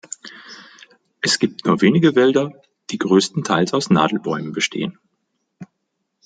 Es gibt nur wenige Wälder, die größtenteils aus Nadelbäumen bestehen.